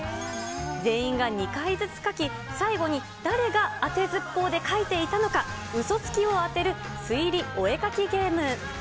全員が２回ずつ描き、最後に誰があてずっぽうで描いていたのか、うそつきを当てる推理お絵描きゲーム。